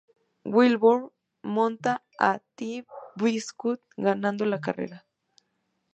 Wilbur monta a "Tea Biscuit" ganando la carrera.